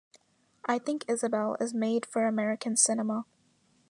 I think Isabelle is made for American cinema.